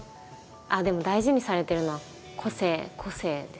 でも大事にされてるのは個性ですかね？